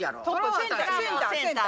センター。